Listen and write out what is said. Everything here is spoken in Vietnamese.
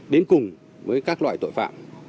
đến cùng với các loại tội phạm